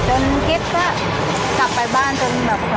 จนคิดก็กลับไปบ้านจนแบบ